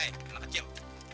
hei jangan diam